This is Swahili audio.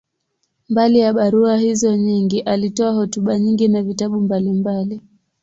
Mbali ya barua hizo nyingi, alitoa hotuba nyingi na vitabu mbalimbali.